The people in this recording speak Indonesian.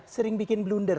sering bikin blunder